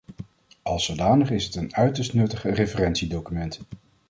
Als zodanig is het een uiterst nuttig referentiedocument.